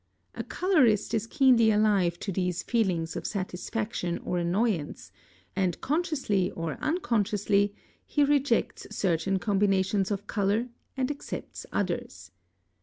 (84) A colorist is keenly alive to these feelings of satisfaction or annoyance, and consciously or unconsciously he rejects certain combinations of color and accepts others.